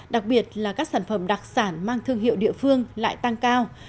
đặc biệt là các sản phẩm đặc sản mang thương hiệu địa phương lại tăng cao